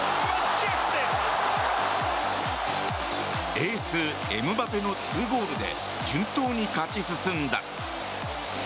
エース、エムバペの２ゴールで順当に勝ち進んだ。